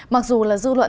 mặc dù là dư luận